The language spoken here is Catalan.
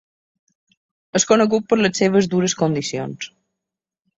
És conegut per les seves dures condicions.